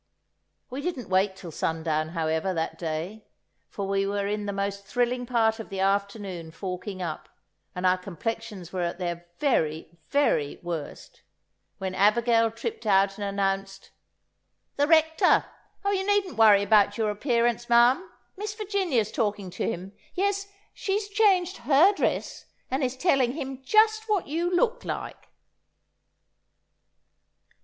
We didn't wait till sun down, however, that day; for we were in the most thrilling part of the afternoon forking up, and our complexions were at their very, very worst, when Abigail tripped out and announced: "The Rector. ... Oh, you needn't worry about your appearance, ma'am. Miss Virginia's talking to him. ... Yes, she's changed her dress, and is telling him just what you look like."